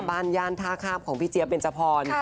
บ้านย่านท่าคราบของพี่เจี๊ยบเบนจพร